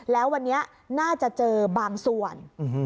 แล้ววันนี้น่าจะเจอบางส่วน